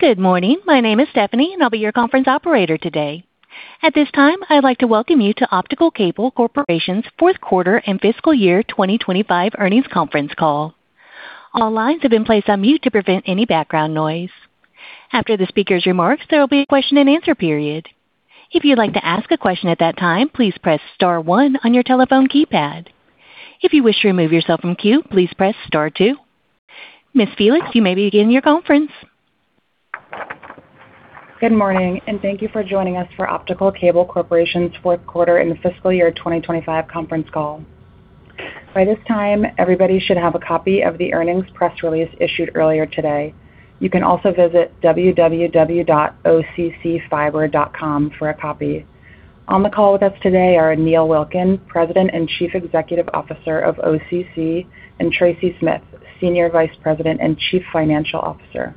Good morning. My name is Stephanie, and I'll be your conference operator today. At this time, I'd like to welcome you to Optical Cable Corporation's fourth quarter and fiscal year 2025 earnings conference call. All lines have been placed on mute to prevent any background noise. After the speaker's remarks, there will be a question-and-answer period. If you'd like to ask a question at that time, please press star one on your telephone keypad. If you wish to remove yourself from queue, please press star two. Ms. Felix, you may begin your conference. Good morning, and thank you for joining us for Optical Cable Corporation's fourth quarter and fiscal year 2025 conference call. By this time, everybody should have a copy of the earnings press release issued earlier today. You can also visit www.occfiber.com for a copy. On the call with us today are Neil Wilkin, President and Chief Executive Officer of OCC, and Tracy Smith, Senior Vice President and Chief Financial Officer.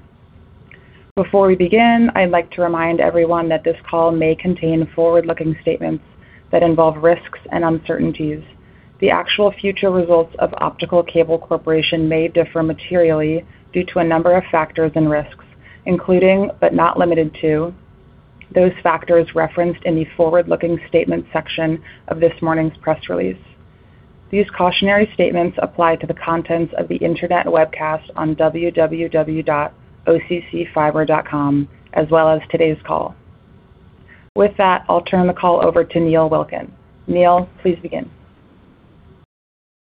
Before we begin, I'd like to remind everyone that this call may contain forward-looking statements that involve risks and uncertainties. The actual future results of Optical Cable Corporation may differ materially due to a number of factors and risks, including, but not limited to, those factors referenced in the forward-looking statement section of this morning's press release. These cautionary statements apply to the contents of the internet webcast on www.occfiber.com, as well as today's call. With that, I'll turn the call over to Neil Wilkin. Neil, please begin.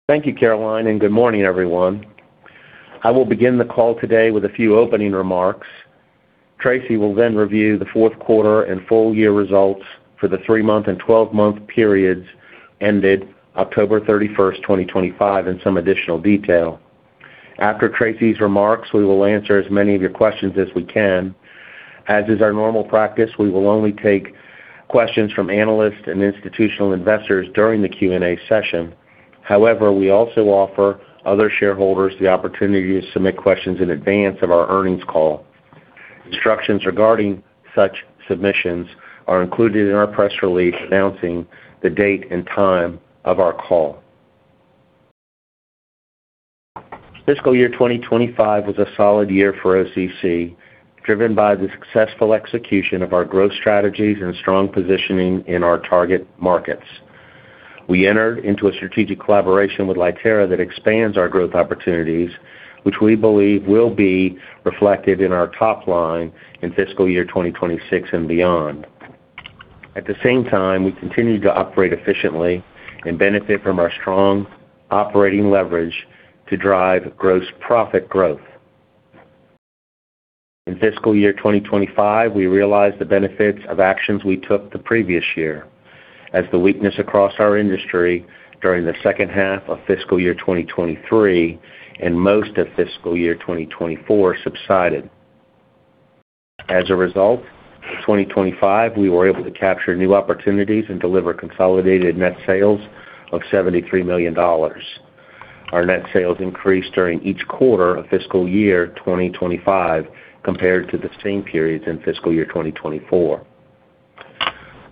Thank you, Caroline, and good morning, everyone. I will begin the call today with a few opening remarks. Tracy will then review the fourth quarter and full-year results for the three-month and twelve-month periods ended October 31st, 2025, in some additional detail. After Tracy's remarks, we will answer as many of your questions as we can. As is our normal practice, we will only take questions from analysts and institutional investors during the Q&A session. However, we also offer other shareholders the opportunity to submit questions in advance of our earnings call. Instructions regarding such submissions are included in our press release announcing the date and time of our call. Fiscal year 2025 was a solid year for OCC, driven by the successful execution of our growth strategies and strong positioning in our target markets. We entered into a strategic collaboration with Lyttera that expands our growth opportunities, which we believe will be reflected in our top line in fiscal year 2026 and beyond. At the same time, we continue to operate efficiently and benefit from our strong operating leverage to drive gross profit growth. In fiscal year 2025, we realized the benefits of actions we took the previous year, as the weakness across our industry during the second half of fiscal year 2023 and most of fiscal year 2024 subsided. As a result, in 2025, we were able to capture new opportunities and deliver consolidated net sales of $73 million. Our net sales increased during each quarter of fiscal year 2025 compared to the same periods in fiscal year 2024.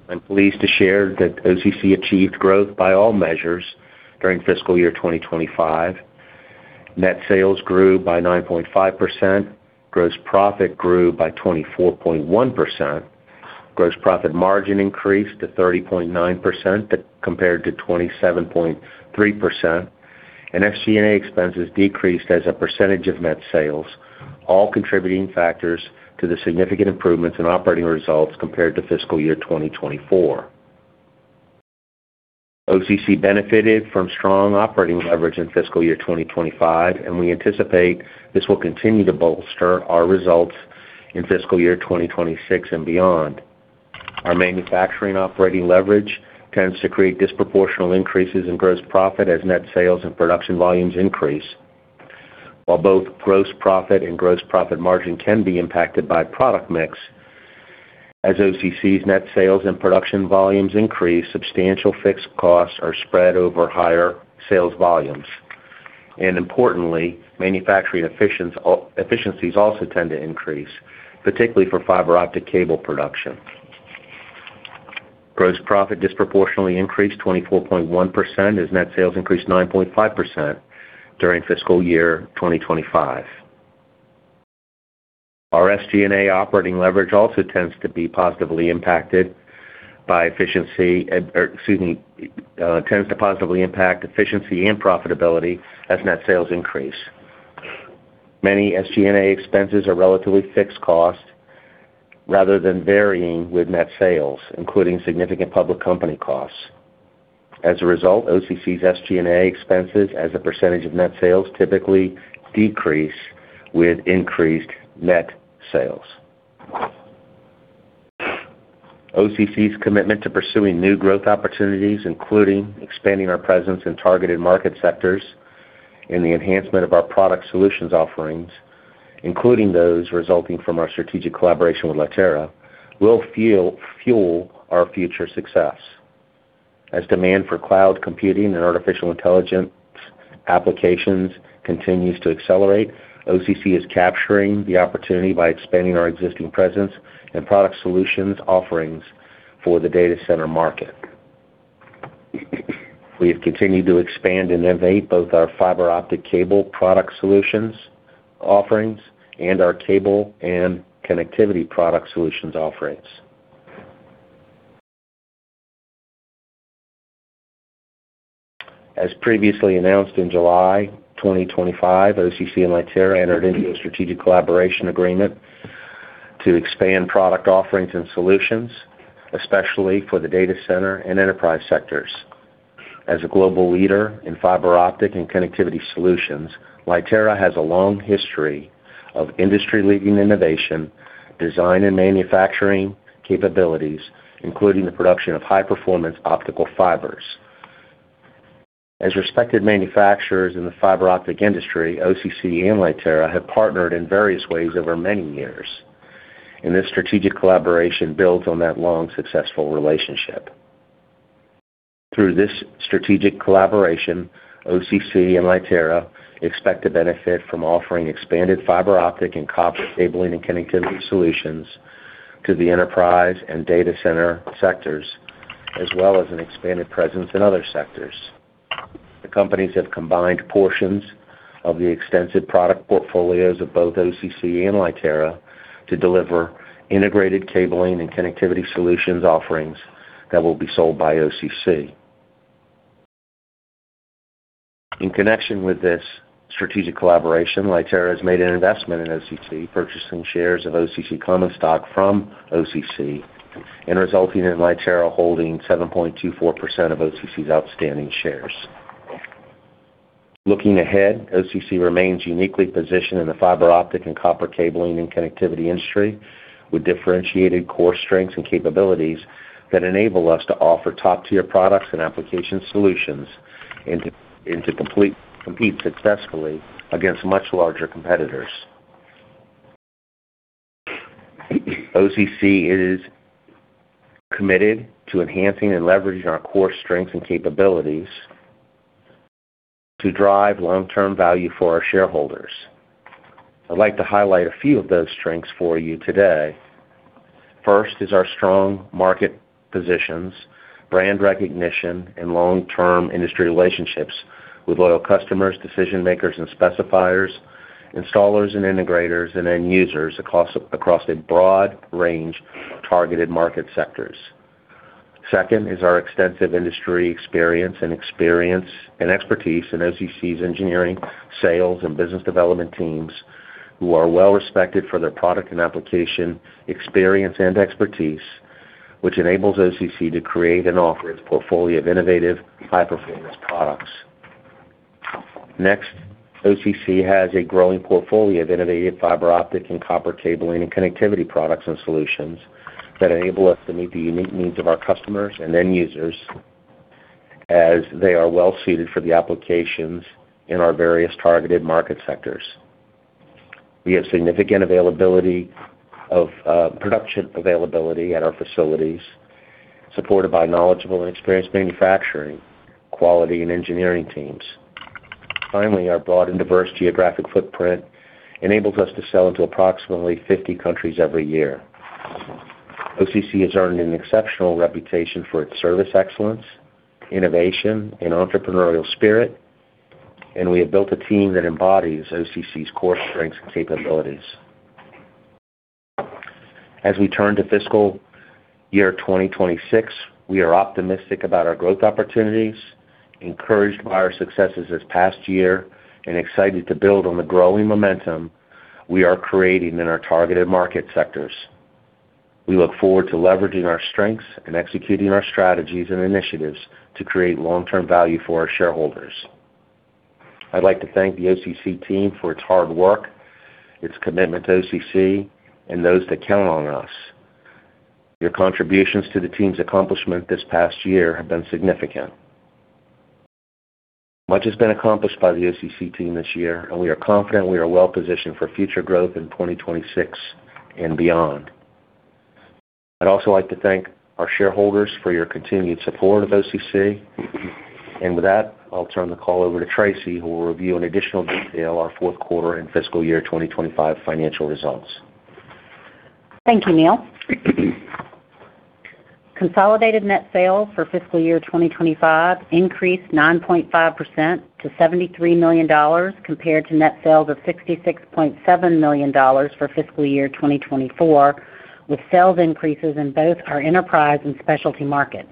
I'm pleased to share that OCC achieved growth by all measures during fiscal year 2025. Net sales grew by 9.5%, gross profit grew by 24.1%, gross profit margin increased to 30.9% compared to 27.3%, and SG&A expenses decreased as a percentage of net sales, all contributing factors to the significant improvements in operating results compared to fiscal year 2024. OCC benefited from strong operating leverage in fiscal year 2025, and we anticipate this will continue to bolster our results in fiscal year 2026 and beyond. Our manufacturing operating leverage tends to create disproportional increases in gross profit as net sales and production volumes increase. While both gross profit and gross profit margin can be impacted by product mix, as OCC's net sales and production volumes increase, substantial fixed costs are spread over higher sales volumes, and importantly, manufacturing efficiencies also tend to increase, particularly for fiber optic cable production. Gross profit disproportionately increased 24.1% as net sales increased 9.5% during fiscal year 2025. Our SG&A operating leverage also tends to be positively impacted by efficiency and profitability as net sales increase. Many SG&A expenses are relatively fixed costs rather than varying with net sales, including significant public company costs. As a result, OCC's SG&A expenses as a percentage of net sales typically decrease with increased net sales. OCC's commitment to pursuing new growth opportunities, including expanding our presence in targeted market sectors and the enhancement of our product solutions offerings, including those resulting from our strategic collaboration with Lyttera, will fuel our future success. As demand for cloud computing and artificial intelligence applications continues to accelerate, OCC is capturing the opportunity by expanding our existing presence and product solutions offerings for the data center market. We have continued to expand and innovate both our fiber optic cable product solutions offerings and our cable and connectivity product solutions offerings. As previously announced in July 2025, OCC and Lyttera entered into a strategic collaboration agreement to expand product offerings and solutions, especially for the data center and enterprise sectors. As a global leader in fiber optic and connectivity solutions, Lyttera has a long history of industry-leading innovation design and manufacturing capabilities, including the production of high-performance optical fibers. As respected manufacturers in the fiber optic industry, OCC and Lyttera have partnered in various ways over many years, and this strategic collaboration builds on that long, successful relationship. Through this strategic collaboration, OCC and Lyttera expect to benefit from offering expanded fiber optic and copper cabling and connectivity solutions to the enterprise and data center sectors, as well as an expanded presence in other sectors. The companies have combined portions of the extensive product portfolios of both OCC and Lyttera to deliver integrated cabling and connectivity solutions offerings that will be sold by OCC. In connection with this strategic collaboration, Lyttera has made an investment in OCC, purchasing shares of OCC Common Stock from OCC, and resulting in Lyttera holding 7.24% of OCC's outstanding shares. Looking ahead, OCC remains uniquely positioned in the fiber optic and copper cabling and connectivity industry with differentiated core strengths and capabilities that enable us to offer top-tier products and application solutions and to compete successfully against much larger competitors. OCC is committed to enhancing and leveraging our core strengths and capabilities to drive long-term value for our shareholders. I'd like to highlight a few of those strengths for you today. First is our strong market positions, brand recognition, and long-term industry relationships with loyal customers, decision-makers, and specifiers, installers, and integrators, and end users across a broad range of targeted market sectors. Second is our extensive industry experience and expertise in OCC's engineering, sales, and business development teams, who are well-respected for their product and application experience and expertise, which enables OCC to create and offer its portfolio of innovative, high-performance products. Next, OCC has a growing portfolio of innovative fiber optic and copper cabling and connectivity products and solutions that enable us to meet the unique needs of our customers and end users, as they are well-suited for the applications in our various targeted market sectors. We have significant production availability at our facilities, supported by knowledgeable and experienced manufacturing, quality, and engineering teams. Finally, our broad and diverse geographic footprint enables us to sell into approximately 50 countries every year. OCC has earned an exceptional reputation for its service excellence, innovation, and entrepreneurial spirit, and we have built a team that embodies OCC's core strengths and capabilities. As we turn to fiscal year 2026, we are optimistic about our growth opportunities, encouraged by our successes this past year, and excited to build on the growing momentum we are creating in our targeted market sectors. We look forward to leveraging our strengths and executing our strategies and initiatives to create long-term value for our shareholders. I'd like to thank the OCC team for its hard work, its commitment to OCC, and those that count on us. Your contributions to the team's accomplishment this past year have been significant. Much has been accomplished by the OCC team this year, and we are confident we are well-positioned for future growth in 2026 and beyond. I'd also like to thank our shareholders for your continued support of OCC. With that, I'll turn the call over to Tracy, who will review in additional detail our fourth quarter and fiscal year 2025 financial results. Thank you, Neil. Consolidated net sales for fiscal year 2025 increased 9.5% to $73 million compared to net sales of $66.7 million for fiscal year 2024, with sales increases in both our enterprise and specialty markets.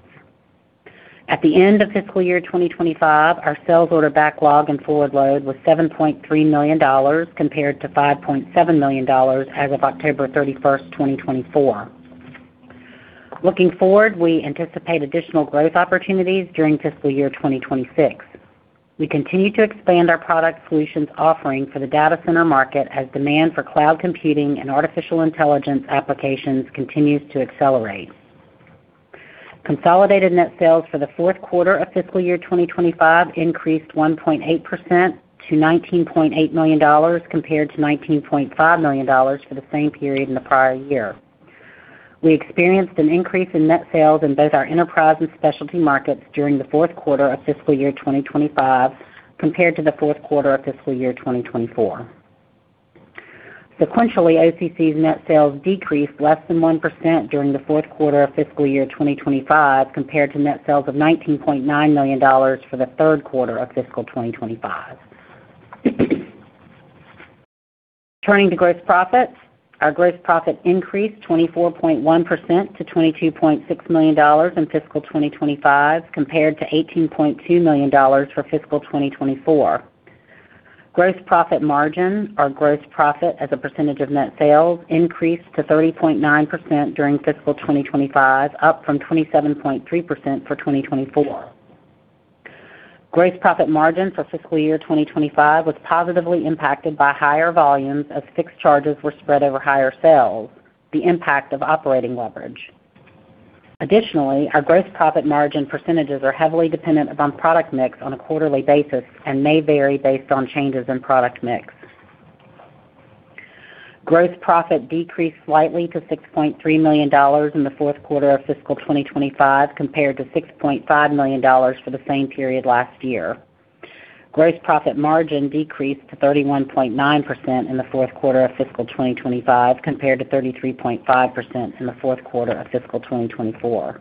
At the end of fiscal year 2025, our sales order backlog and forward load was $7.3 million compared to $5.7 million as of October 31st, 2024. Looking forward, we anticipate additional growth opportunities during fiscal year 2026. We continue to expand our product solutions offering for the data center market as demand for cloud computing and artificial intelligence applications continues to accelerate. Consolidated net sales for the fourth quarter of fiscal year 2025 increased 1.8% to $19.8 million compared to $19.5 million for the same period in the prior year. We experienced an increase in net sales in both our enterprise and specialty markets during the fourth quarter of fiscal year 2025 compared to the fourth quarter of fiscal year 2024. Sequentially, OCC's net sales decreased less than 1% during the fourth quarter of fiscal year 2025 compared to net sales of $19.9 million for the third quarter of fiscal 2025. Turning to gross profits, our gross profit increased 24.1% to $22.6 million in fiscal 2025 compared to $18.2 million for fiscal 2024. Gross profit margin, our gross profit as a percentage of net sales, increased to 30.9% during fiscal 2025, up from 27.3% for 2024. Gross profit margin for fiscal year 2025 was positively impacted by higher volumes as fixed charges were spread over higher sales, the impact of operating leverage. Additionally, our gross profit margin percentages are heavily dependent upon product mix on a quarterly basis and may vary based on changes in product mix. Gross profit decreased slightly to $6.3 million in the fourth quarter of fiscal 2025 compared to $6.5 million for the same period last year. Gross profit margin decreased to 31.9% in the fourth quarter of fiscal 2025 compared to 33.5% in the fourth quarter of fiscal 2024.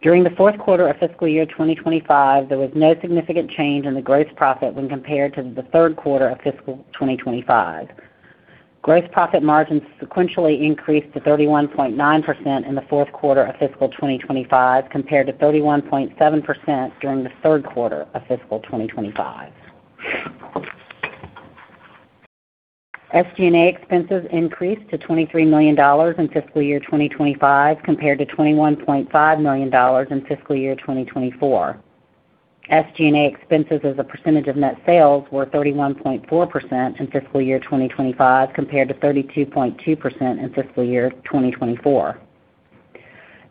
During the fourth quarter of fiscal year 2025, there was no significant change in the gross profit when compared to the third quarter of fiscal 2025. Gross profit margin sequentially increased to 31.9% in the fourth quarter of fiscal 2025 compared to 31.7% during the third quarter of fiscal 2025. SG&A expenses increased to $23 million in fiscal year 2025 compared to $21.5 million in fiscal year 2024. SG&A expenses as a percentage of net sales were 31.4% in fiscal year 2025 compared to 32.2% in fiscal year 2024.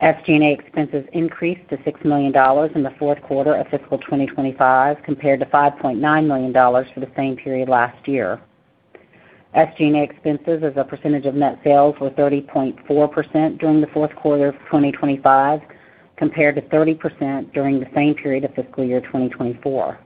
SG&A expenses increased to $6 million in the fourth quarter of fiscal 2025 compared to $5.9 million for the same period last year. SG&A expenses as a percentage of net sales were 30.4% during the fourth quarter of 2025 compared to 30% during the same period of fiscal year 2024.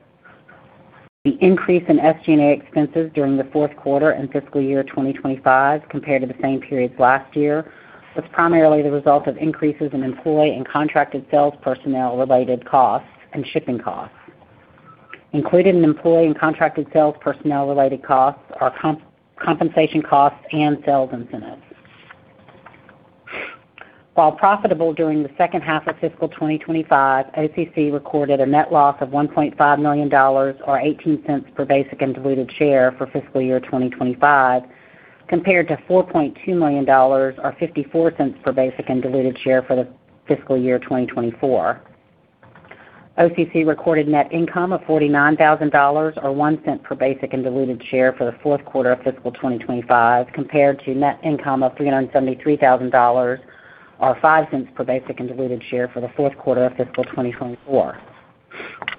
The increase in SG&A expenses during the fourth quarter and fiscal year 2025 compared to the same period last year was primarily the result of increases in employee and contracted sales personnel-related costs and shipping costs. Included in employee and contracted sales personnel-related costs are compensation costs and sales incentives. While profitable during the second half of fiscal 2025, OCC recorded a net loss of $1.5 million or $0.18 per basic and diluted share for fiscal year 2025 compared to $4.2 million or $0.54 per basic and diluted share for the fiscal year 2024. OCC recorded net income of $49,000 or $0.01 per basic and diluted share for the fourth quarter of fiscal 2025 compared to net income of $373,000 or $0.05 per basic and diluted share for the fourth quarter of fiscal 2024.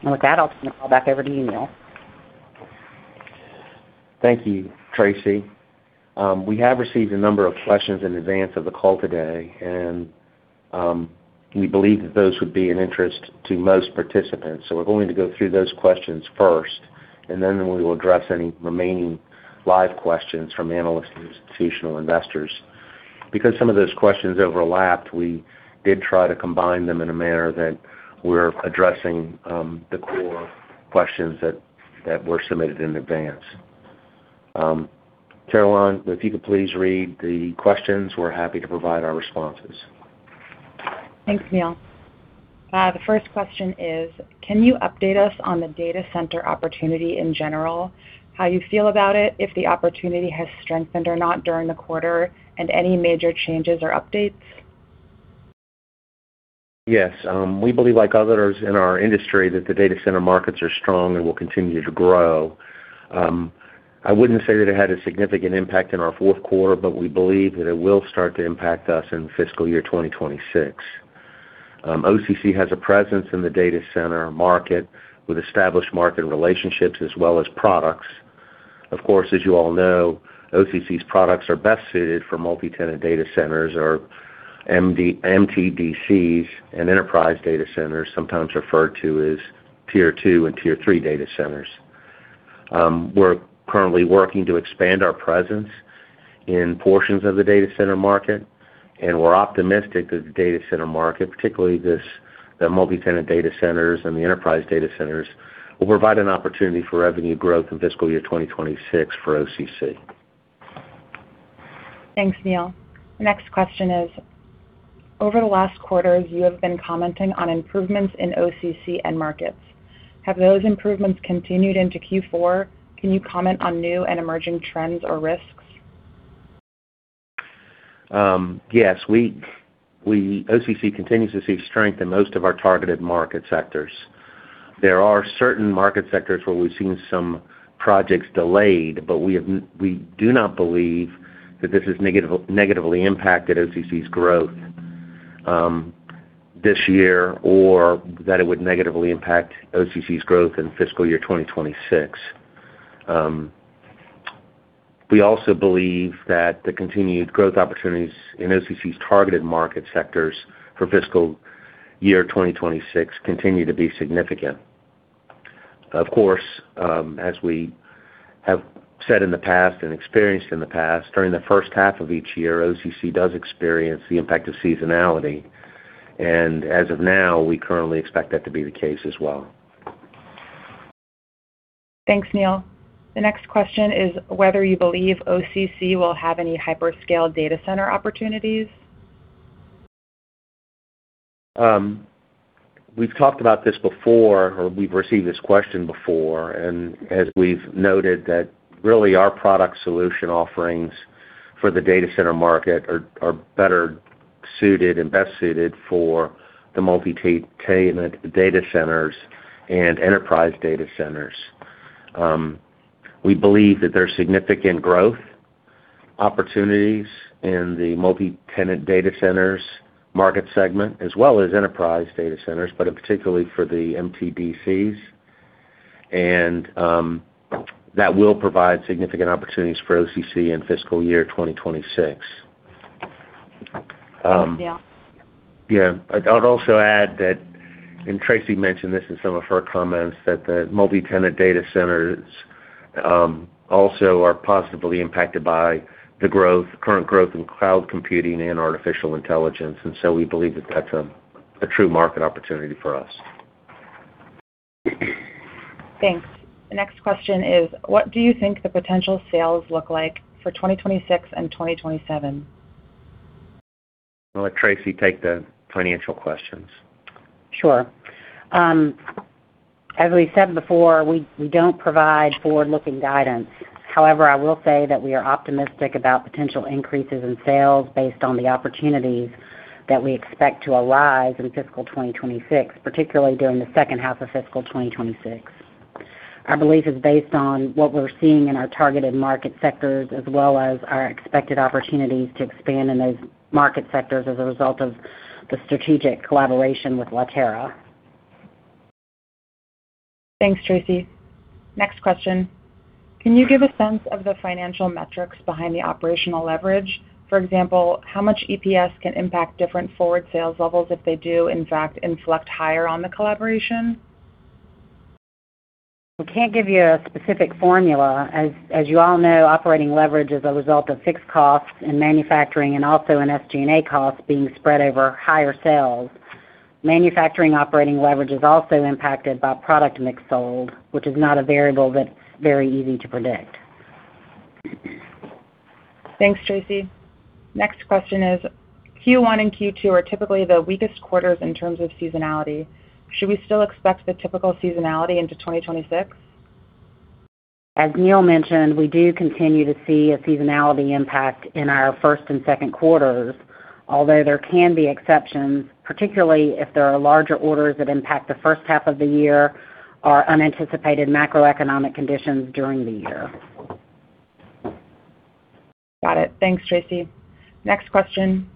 And with that, I'll turn the call back over to you, Neil. Thank you, Tracy. We have received a number of questions in advance of the call today, and we believe that those would be of interest to most participants. So we're going to go through those questions first, and then we will address any remaining live questions from analysts and institutional investors. Because some of those questions overlapped, we did try to combine them in a manner that we're addressing the core questions that were submitted in advance. Caroline, if you could please read the questions, we're happy to provide our responses. Thanks, Neil. The first question is, can you update us on the data center opportunity in general, how you feel about it, if the opportunity has strengthened or not during the quarter, and any major changes or updates? Yes. We believe, like others in our industry, that the data center markets are strong and will continue to grow. I wouldn't say that it had a significant impact in our fourth quarter, but we believe that it will start to impact us in fiscal year 2026. OCC has a presence in the data center market with established market relationships as well as products. Of course, as you all know, OCC's products are best suited for multi-tenant data centers or MTDCs and enterprise data centers, sometimes referred to as Tier 2 and tier 3 data centers. We're currently working to expand our presence in portions of the data center market, and we're optimistic that the data center market, particularly the multi-tenant data centers and the enterprise data centers, will provide an opportunity for revenue growth in fiscal year 2026 for OCC. Thanks, Neil. The next question is: Over the last quarter, you have been commenting on improvements in OCC and markets. Have those improvements continued into Q4? Can you comment on new and emerging trends or risks? Yes. OCC continues to see strength in most of our targeted market sectors. There are certain market sectors where we've seen some projects delayed, but we do not believe that this has negatively impacted OCC's growth this year or that it would negatively impact OCC's growth in fiscal year 2026. We also believe that the continued growth opportunities in OCC's targeted market sectors for fiscal year 2026 continue to be significant. Of course, as we have said in the past and experienced in the past, during the first half of each year, OCC does experience the impact of seasonality, and as of now, we currently expect that to be the case as well. Thanks, Neil. The next question is whether you believe OCC will have any hyperscale data center opportunities? We've talked about this before, or we've received this question before, and as we've noted, that really our product solution offerings for the data center market are better suited and best suited for the multi-tenant data centers and enterprise data centers. We believe that there's significant growth opportunities in the multi-tenant data centers market segment, as well as enterprise data centers, but particularly for the MTDCs, and that will provide significant opportunities for OCC in fiscal year 2026. Thanks, Neil. Yeah. I'd also add that, and Tracy mentioned this in some of her comments, that the multi-tenant data centers also are positively impacted by the current growth in cloud computing and artificial intelligence, and so we believe that that's a true market opportunity for us. Thanks. The next question is, what do you think the potential sales look like for 2026 and 2027? I'll let Tracy take the financial questions. Sure. As we said before, we don't provide forward-looking guidance. However, I will say that we are optimistic about potential increases in sales based on the opportunities that we expect to arise in fiscal 2026, particularly during the second half of fiscal 2026. Our belief is based on what we're seeing in our targeted market sectors as well as our expected opportunities to expand in those market sectors as a result of the strategic collaboration with Lyttera. Thanks, Tracy. Next question. Can you give a sense of the financial metrics behind the operational leverage? For example, how much EPS can impact different forward sales levels if they do, in fact, inflect higher on the collaboration? We can't give you a specific formula. As you all know, operating leverage is a result of fixed costs in manufacturing and also in SG&A costs being spread over higher sales. Manufacturing operating leverage is also impacted by product mix sold, which is not a variable that's very easy to predict. Thanks, Tracy. Next question is, Q1 and Q2 are typically the weakest quarters in terms of seasonality. Should we still expect the typical seasonality into 2026? As Neil mentioned, we do continue to see a seasonality impact in our first and second quarters, although there can be exceptions, particularly if there are larger orders that impact the first half of the year or unanticipated macroeconomic conditions during the year. Got it. Thanks, Tracy. Next question.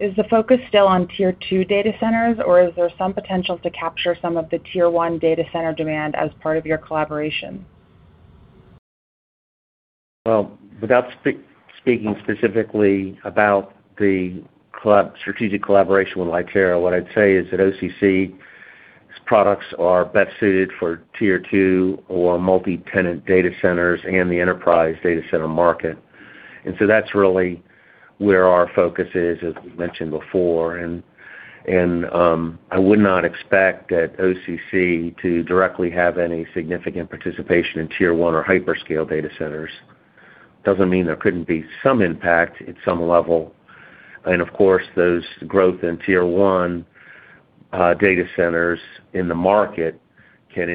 Is the focus still on tier 2 data centers, or is there some potential to capture some of the tier 1 data center demand as part of your collaboration? Without speaking specifically about the strategic collaboration with Lyttera, what I'd say is that OCC's products are best suited for tier 2 or multi-tenant data centers and the enterprise data center market. And so that's really where our focus is, as we mentioned before. And I would not expect that OCC to directly have any significant participation in tier 1 or hyperscale data centers. Doesn't mean there couldn't be some impact at some level. And of course, those growth in tier 1 data centers in the market can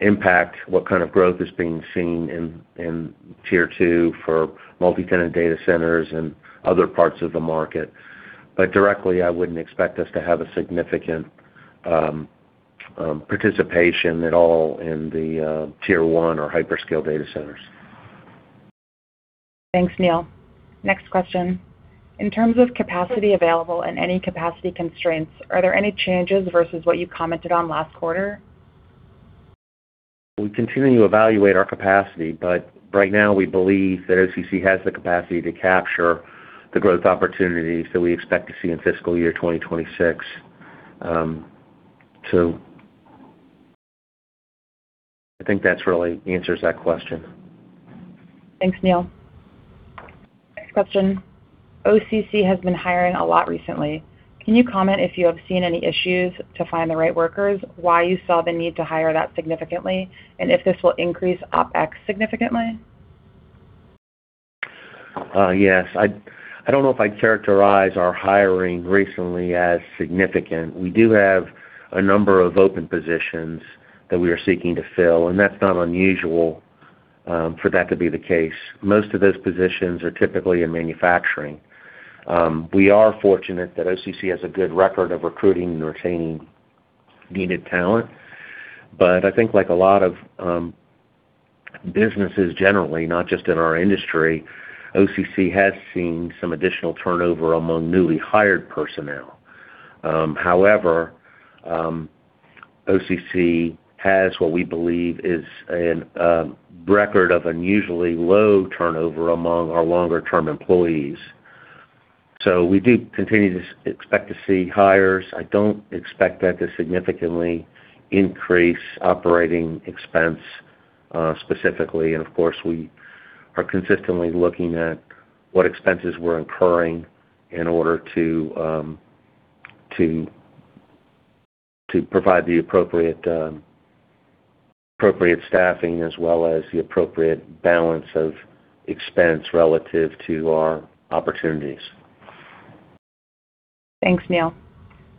impact what kind of growth is being seen in tier 2 for multi-tenant data centers and other parts of the market. But directly, I wouldn't expect us to have a significant participation at all in the tier 1 or hyperscale data centers. Thanks, Neil. Next question. In terms of capacity available and any capacity constraints, are there any changes versus what you commented on last quarter? We continue to evaluate our capacity, but right now, we believe that OCC has the capacity to capture the growth opportunities that we expect to see in fiscal year 2026. So I think that really answers that question. Thanks, Neil. Next question. OCC has been hiring a lot recently. Can you comment if you have seen any issues to find the right workers, why you saw the need to hire that significantly, and if this will increase OpEx significantly? Yes. I don't know if I'd characterize our hiring recently as significant. We do have a number of open positions that we are seeking to fill, and that's not unusual for that to be the case. Most of those positions are typically in manufacturing. We are fortunate that OCC has a good record of recruiting and retaining needed talent, but I think like a lot of businesses generally, not just in our industry, OCC has seen some additional turnover among newly hired personnel. However, OCC has what we believe is a record of unusually low turnover among our longer-term employees. So we do continue to expect to see hires. I don't expect that to significantly increase operating expense specifically, and of course, we are consistently looking at what expenses we're incurring in order to provide the appropriate staffing as well as the appropriate balance of expense relative to our opportunities. Thanks, Neil.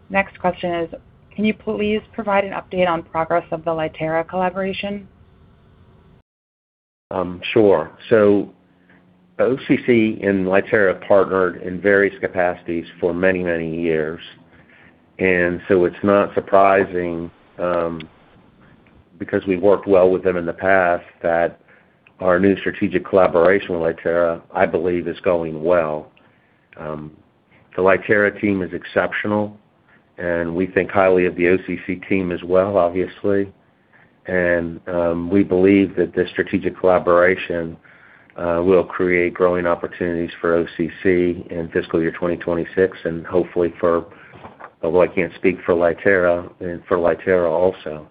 Next question is, can you please provide an update on progress of the Lyttera collaboration? Sure. So OCC and Lyttera have partnered in various capacities for many, many years. And so it's not surprising because we've worked well with them in the past that our new strategic collaboration with Lyttera, I believe, is going well. The Lyttera team is exceptional, and we think highly of the OCC team as well, obviously. And we believe that this strategic collaboration will create growing opportunities for OCC in fiscal year 2026, and hopefully for, although I can't speak for Lyttera, for Lyttera also.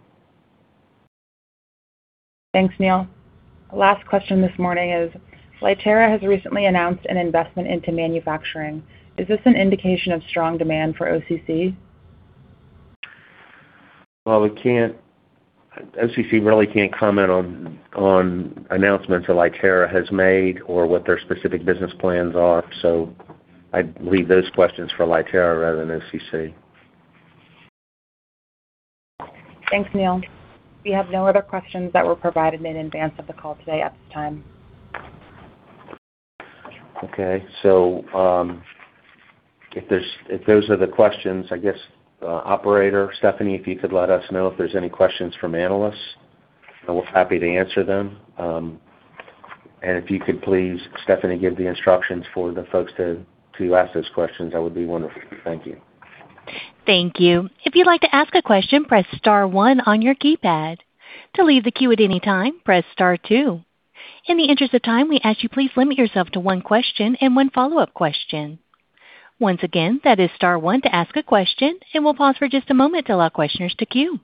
Thanks, Neil. Last question this morning is, Lyttera has recently announced an investment into manufacturing. Is this an indication of strong demand for OCC? OCC really can't comment on announcements that Lyttera has made or what their specific business plans are. I'd leave those questions for Lyttera rather than OCC. Thanks, Neil. We have no other questions that were provided in advance of the call today at this time. Okay, so if those are the questions, I guess, Operator, Stephanie, if you could let us know if there's any questions from analysts, we're happy to answer them, and if you could please, Stephanie, give the instructions for the folks to ask those questions, that would be wonderful. Thank you. Thank you. If you'd like to ask a question, press star one on your keypad. To leave the queue at any time, press star two. In the interest of time, we ask you please limit yourself to one question and one follow-up question. Once again, that is star one to ask a question, and we'll pause for just a moment to allow questioners to queue.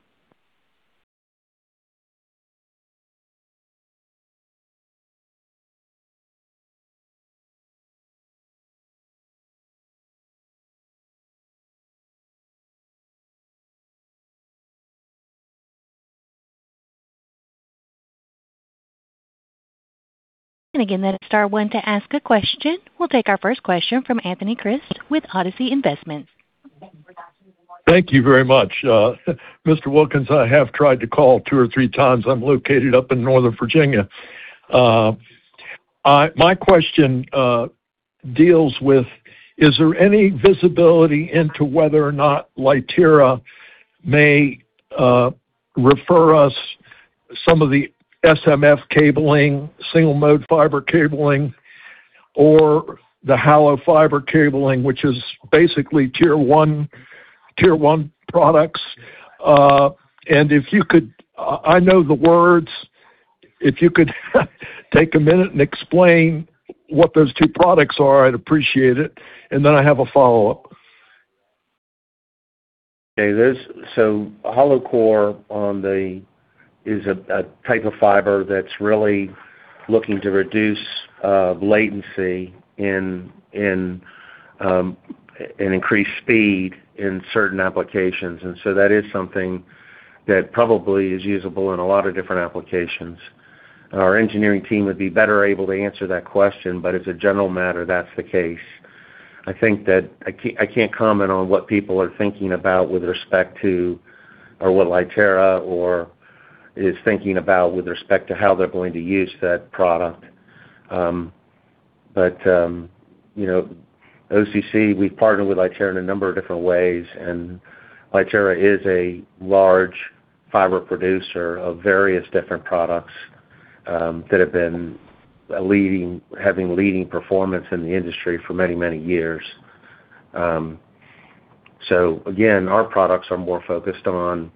And again, that is star one to ask a question. We'll take our first question from Anthony Christ with Odyssey Investments. Thank you very much. Mr. Wilkin, I have tried to call two or three times. I'm located up in Northern Virginia. My question deals with, is there any visibility into whether or not Lyttera may refer us some of the SMF cabling, single-mode fiber cabling, or the hollow-core fiber cabling, which is basically Tier 1 products? And if you could, I know the words. If you could take a minute and explain what those two products are, I'd appreciate it. And then I have a follow-up. Okay, so hollow-core is a type of fiber that's really looking to reduce latency and increase speed in certain applications, and so that is something that probably is usable in a lot of different applications. Our engineering team would be better able to answer that question, but as a general matter, that's the case. I think that I can't comment on what people are thinking about with respect to, or what Lyttera is thinking about with respect to how they're going to use that product, but OCC, we've partnered with Lyttera in a number of different ways, and Lyttera is a large fiber producer of various different products that have been having leading performance in the industry for many, many years. So again, our products are more focused on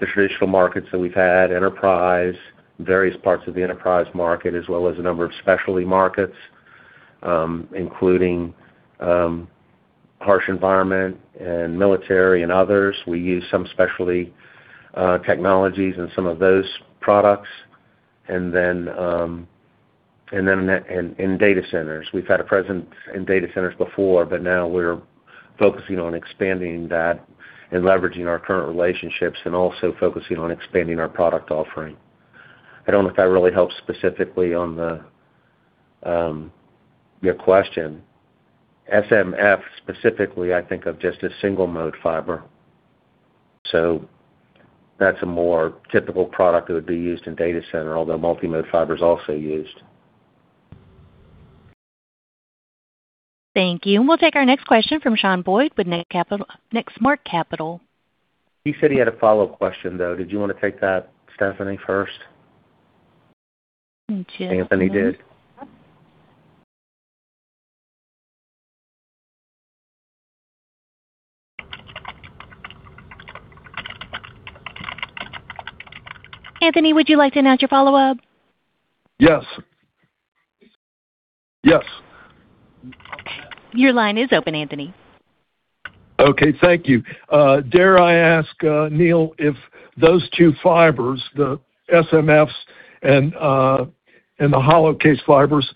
the traditional markets that we've had, enterprise, various parts of the enterprise market, as well as a number of specialty markets, including harsh environment and military and others. We use some specialty technologies in some of those products. And then in data centers, we've had a presence in data centers before, but now we're focusing on expanding that and leveraging our current relationships and also focusing on expanding our product offering. I don't know if that really helps specifically on your question. SMF specifically, I think of just as single-mode fiber. So that's a more typical product that would be used in data center, although multi-mode fiber is also used. Thank you. We'll take our next question from Sean Boyd with Next Mark Capital. He said he had a follow-up question, though. Did you want to take that, Stephanie, first? Thank you. Anthony did. Anthony, would you like to announce your follow-up? Yes. Yes. Your line is open, Anthony. Okay. Thank you. Dare I ask, Neil, if those two fibers, the SMFs and the hollow-core fibers,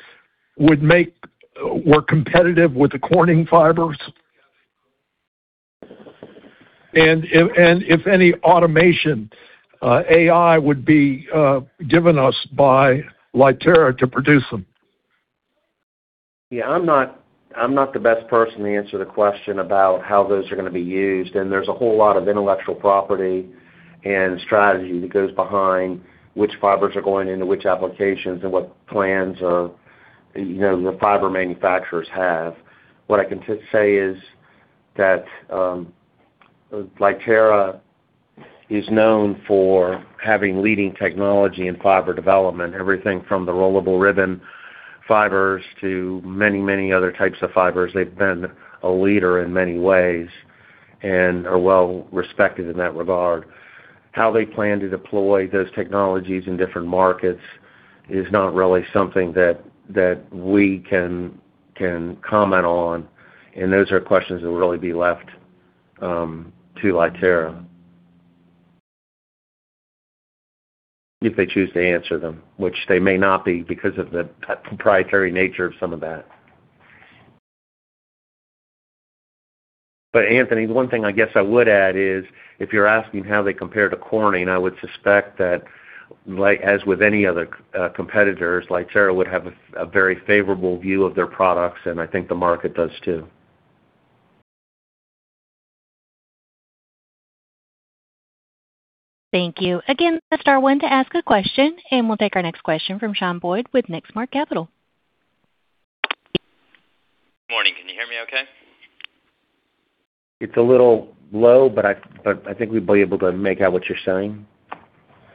would make were competitive with the Corning fibers? And if any automation, AI would be given us by Lyttera to produce them? Yeah. I'm not the best person to answer the question about how those are going to be used. And there's a whole lot of intellectual property and strategy that goes behind which fibers are going into which applications and what plans the fiber manufacturers have. What I can say is that Lyttera is known for having leading technology in fiber development, everything from the rollable ribbon fibers to many, many other types of fibers. They've been a leader in many ways and are well respected in that regard. How they plan to deploy those technologies in different markets is not really something that we can comment on. And those are questions that will really be left to Lyttera if they choose to answer them, which they may not be because of the proprietary nature of some of that. But Anthony, the one thing I guess I would add is if you're asking how they compare to Corning, I would suspect that, as with any other competitors, Lyttera would have a very favorable view of their products, and I think the market does too. Thank you. Again, star one to ask a question, and we'll take our next question from Sean Boyd with Next Mark Capital. Good morning. Can you hear me okay? It's a little low, but I think we'll be able to make out what you're saying.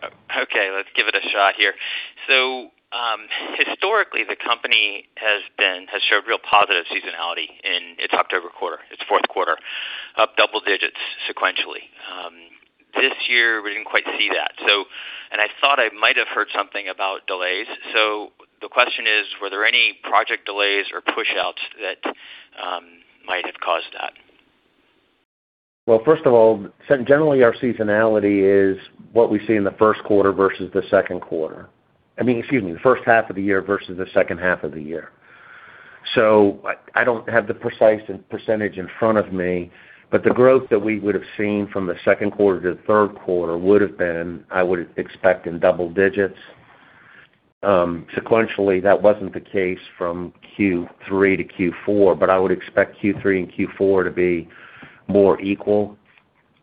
Okay. Let's give it a shot here. So historically, the company has showed real positive seasonality in its October quarter, its fourth quarter, up double digits sequentially. This year, we didn't quite see that, and I thought I might have heard something about delays, so the question is, were there any project delays or push-outs that might have caused that? Well, first of all, generally, our seasonality is what we see in the first quarter versus the second quarter. I mean, excuse me, the first half of the year versus the second half of the year. So I don't have the precise percentage in front of me, but the growth that we would have seen from the second quarter to the third quarter would have been, I would expect, in double digits. Sequentially, that wasn't the case from Q3 to Q4, but I would expect Q3 and Q4 to be more equal,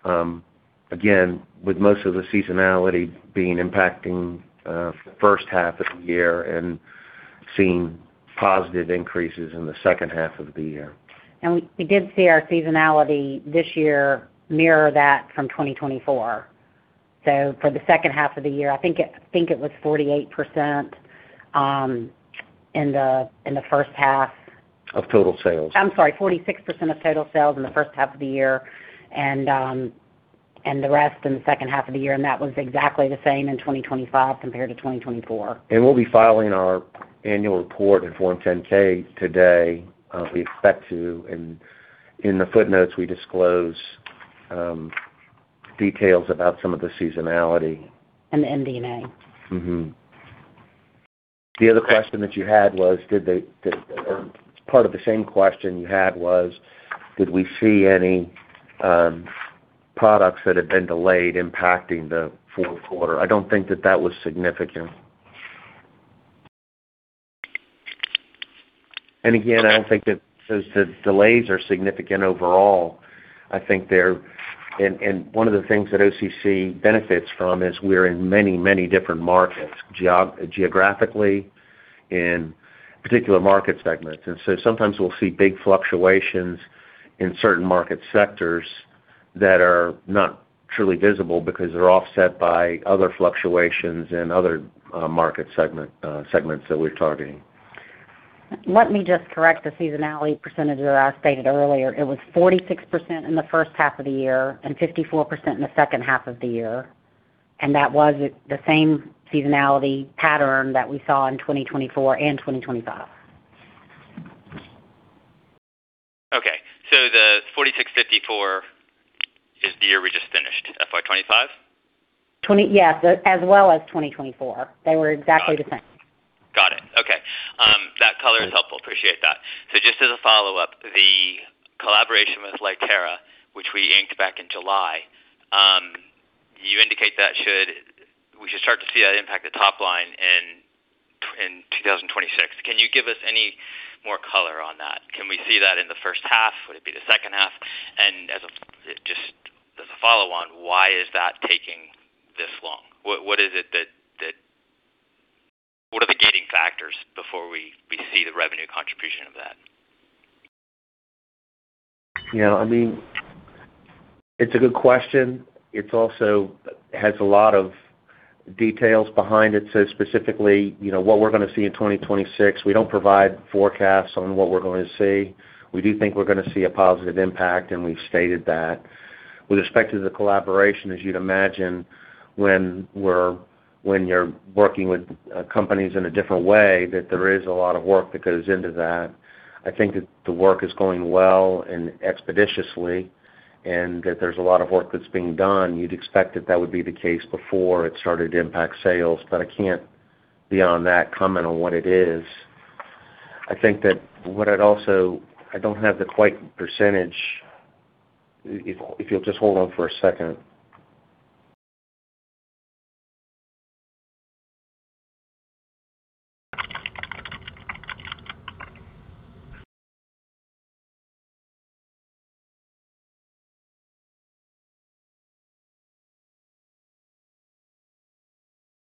again, with most of the seasonality being impacting the first half of the year and seeing positive increases in the second half of the year. We did see our seasonality this year mirror that from 2024. For the second half of the year, I think it was 48% in the first half. Of total sales. I'm sorry, 46% of total sales in the first half of the year, and the rest in the second half of the year, and that was exactly the same in 2025 compared to 2024. We'll be filing our annual report in Form 10-K today. We expect to, and in the footnotes, we disclose details about some of the seasonality. The MD&A. The other question that you had was, did we see any products that had been delayed impacting the fourth quarter? I don't think that that was significant, and again, I don't think that those delays are significant overall. I think they're, and one of the things that OCC benefits from is we're in many, many different markets geographically in particular market segments, and so sometimes we'll see big fluctuations in certain market sectors that are not truly visible because they're offset by other fluctuations in other market segments that we're targeting. Let me just correct the seasonality percentage that I stated earlier. It was 46% in the first half of the year and 54% in the second half of the year, and that was the same seasonality pattern that we saw in 2024 and 2025. Okay. So the 46, 54 is the year we just finished, FY25? Yes, as well as 2024. They were exactly the same. Got it. Okay. That color is helpful. Appreciate that. So just as a follow-up, the collaboration with Lyttera, which we inked back in July, you indicate that we should start to see that impact the top line in 2026. Can you give us any more color on that? Can we see that in the first half? Would it be the second half? And just as a follow-on, why is that taking this long? What is it that—what are the gating factors before we see the revenue contribution of that? Yeah. I mean, it's a good question. It also has a lot of details behind it. So specifically, what we're going to see in 2026, we don't provide forecasts on what we're going to see. We do think we're going to see a positive impact, and we've stated that. With respect to the collaboration, as you'd imagine, when you're working with companies in a different way, that there is a lot of work that goes into that. I think that the work is going well and expeditiously, and that there's a lot of work that's being done. You'd expect that that would be the case before it started to impact sales, but I can't, beyond that, comment on what it is. I think that what I'd also—I don't have the exact percentage. If you'll just hold on for a second.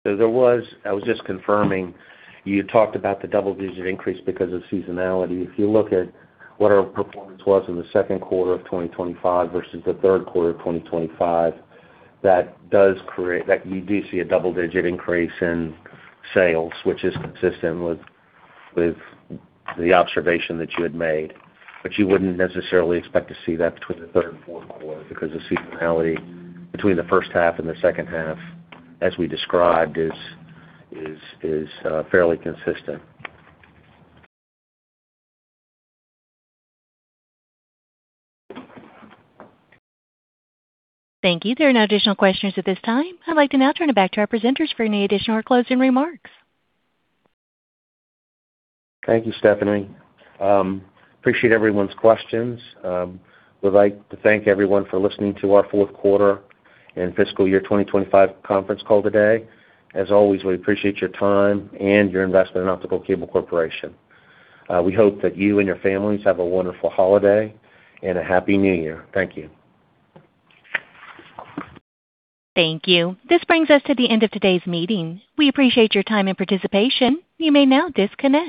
So there was—I was just confirming. You talked about the double digit increase because of seasonality. If you look at what our performance was in the second quarter of 2025 versus the third quarter of 2025, that you do see a double digit increase in sales, which is consistent with the observation that you had made. But you wouldn't necessarily expect to see that between the third and fourth quarter because the seasonality between the first half and the second half, as we described, is fairly consistent. Thank you. There are no additional questions at this time. I'd like to now turn it back to our presenters for any additional closing remarks. Thank you, Stephanie. Appreciate everyone's questions. We'd like to thank everyone for listening to our fourth quarter and fiscal year 2025 conference call today. As always, we appreciate your time and your investment in Optical Cable Corporation. We hope that you and your families have a wonderful holiday and a Happy New Year. Thank you. Thank you. This brings us to the end of today's meeting. We appreciate your time and participation. You may now disconnect.